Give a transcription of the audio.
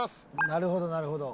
なるほどなるほど。